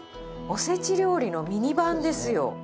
おせち料理のミニ版ですよ。